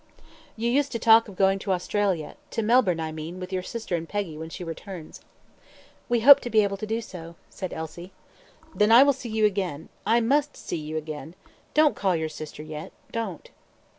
"You used to talk of going to Australia to Melbourne, I mean with your sister and Peggy, when she returns." "We hope to be able to do so," said Elsie. "Then I will see you again I must see you again. Don't call your sister yet don't."